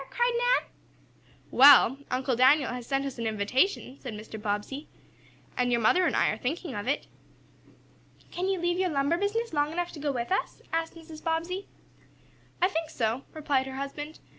cried Nan. "Well, Uncle Daniel has sent us an invitation," said Mr. Bobbsey, "and your mother and I are thinking of it." "Can you leave your lumber business long enough to go with us?" asked Mrs. Bobbsey. "I think so," replied her husband.